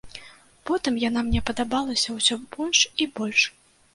Потым яна мне падабалася ўсё больш і больш.